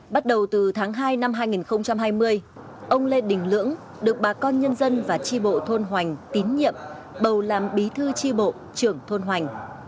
bắt đầu từ tháng hai năm hai nghìn hai mươi ông lê đình lưỡng được bà con nhân dân và tri bộ thôn hoành tín nhiệm bầu làm bí thư tri bộ trưởng thôn hoành